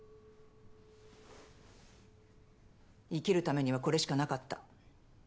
生きるためにはこれしなかった。